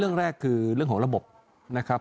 คือเรื่องของระบบนะครับ